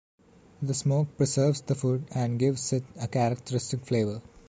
The smoke preserves the food and gives it a characteristic flavor.